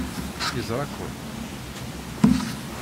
Yeẓra-ken.